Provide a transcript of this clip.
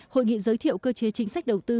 hội nghị giới thiệu cơ chế chính sách đầu tư